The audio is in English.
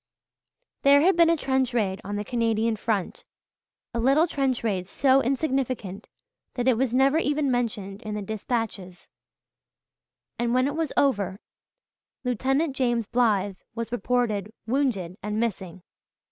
There had been a trench raid on the Canadian front a little trench raid so insignificant that it was never even mentioned in the dispatches and when it was over Lieutenant James Blythe was reported "wounded and missing."